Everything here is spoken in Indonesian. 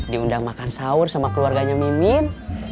diundang makan sahur sama keluarganya mimin